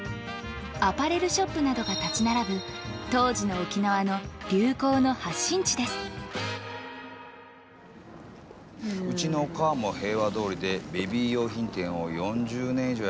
アパレルショップなどが立ち並ぶ当時の沖縄のうちのおかあも平和通りでベビー用品店を４０年以上やってましたね。